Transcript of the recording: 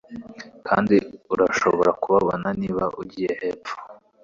kandi urashobora kubabona niba ugiye hepfo